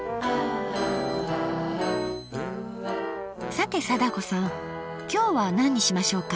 さて貞子さん今日は何にしましょうか。